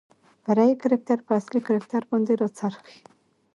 فرعي کرکتر په اصلي کرکتر باندې راڅرخي .